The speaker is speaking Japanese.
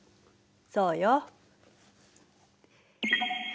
そうよ。